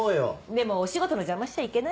でもお仕事の邪魔しちゃいけないし。